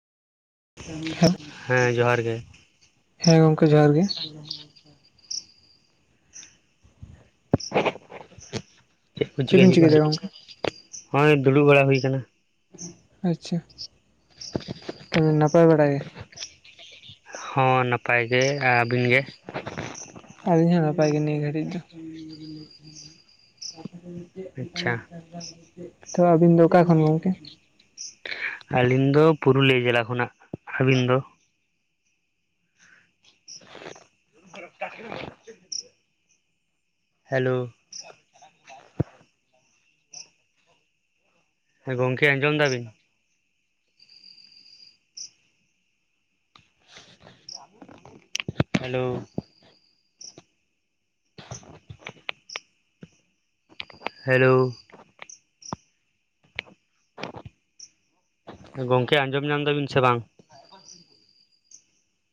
ᱦᱮᱸ ᱡᱚᱦᱟᱨ ᱜᱮ [unintelligible] ᱦᱮᱸ ᱜᱚᱢᱠᱮ ᱡᱚᱦᱟᱨ ᱜᱮ᱾ ᱪᱮᱫ ᱠᱚ ᱪᱤᱠᱟᱹᱭ ᱵᱤᱱ ᱦᱩᱭᱩᱜ ᱫᱟ ᱜᱚᱝᱠᱮ ᱠᱟᱱᱟ? ᱱᱚᱭ ᱫᱩᱲᱩᱵ ᱵᱟᱲᱟ ᱦᱩᱭᱠᱟᱱᱟ᱾ ᱟᱪᱪᱷᱟ᱾ ᱛᱚᱵᱮ ᱱᱟᱯᱟᱭ ᱵᱟᱲᱟᱟᱭ ᱜᱮ? ᱦᱚᱸ ᱱᱟᱯᱟᱭ ᱜᱮ, ᱟᱹᱵᱤᱱ ᱜᱮ? ᱟᱞᱤᱧ ᱦᱚᱸ ᱱᱟᱯᱟᱭ ᱜᱮ ᱱᱤᱭᱟᱹ ᱜᱷᱟᱹᱲᱤᱡ ᱫᱚ᱾ ᱟᱪᱪᱷᱟ ᱛᱚ ᱟᱹᱵᱤᱱ ᱫᱚ ᱚᱠᱟ ᱠᱷᱚᱱ ᱜᱚᱢᱠᱮ? ᱟᱹᱞᱤᱧ ᱫᱚ ᱯᱩᱨᱩᱞᱤᱭᱟᱹ ᱡᱮᱞᱟ ᱠᱷᱚᱱᱟᱜ᱾ ᱟᱹᱵᱤᱱ ᱫᱚ? [unintelligible] ᱦᱮᱞᱳ᱾ ᱦᱮᱸ ᱜᱚᱝᱠᱮ ᱟᱸᱡᱚᱢ ᱫᱟ ᱵᱤᱱ? ᱦᱮᱞᱳ᱾ ᱦᱮᱞᱳ᱾ ᱜᱚᱝᱠᱮ ᱟᱸᱡᱚᱢ ᱧᱟᱢ ᱢᱮᱫᱟ ᱵᱤᱱ ᱥᱮ ᱵᱟᱝ?